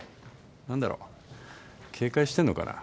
何だろう警戒してんのかな。